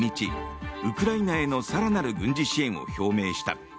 ウクライナへの更なる軍事支援を表明した。